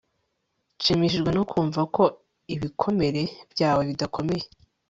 Nshimishijwe no kumva ko ibikomere byawe bidakomeye